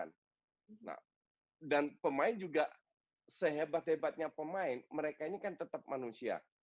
nah dan pemain juga sehebat hebatnya pemain mereka ini kan tetap manusia